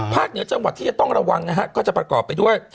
เหนือจังหวัดที่จะต้องระวังนะฮะก็จะประกอบไปด้วย